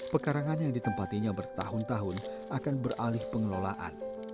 pekarangan yang ditempatinya bertahun tahun akan beralih pengelolaan